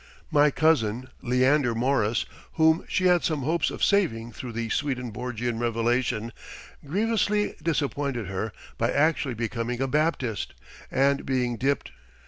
My cousin, Leander Morris, whom she had some hopes of saving through the Swedenborgian revelation, grievously disappointed her by actually becoming a Baptist and being dipped.